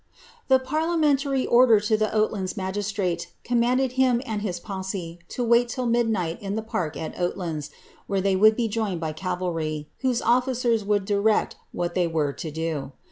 ^ The parliamentary order to the Oatlands magistmte comnmnded him tod his posse to wait till midnight in the park at Oatlands, where they would be joined by cavalry, whose officers woald direct what they were to do.